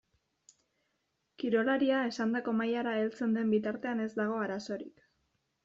Kirolaria esandako mailara heltzen den bitartean ez dago arazorik.